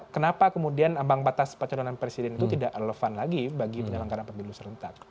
kenapa kemudian ambang batas pencalonan presiden itu tidak relevan lagi bagi penyelenggaraan pemilu serentak